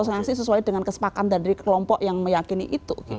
sanksi sosial dengan kesepakan dari kelompok yang meyakini itu